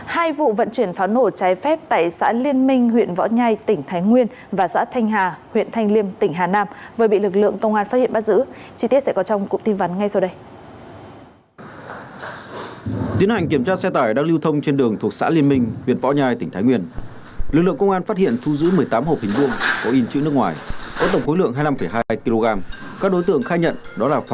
hai vụ vận chuyển pháo nổ trái phép tại xã liên minh huyện võ nhai tỉnh thái nguyên và xã thanh hà huyện thanh liêm tỉnh hà nam